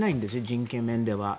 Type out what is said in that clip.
人権面では。